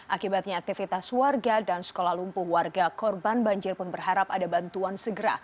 akibatnya aktivitas warga dan sekolah lumpuh warga korban banjir pun berharap ada bantuan segera